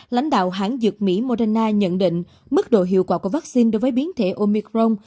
lãnh đạo hãng dược mỹ moderna nhận định mức độ hiệu quả của vaccine đối với biến thể omicron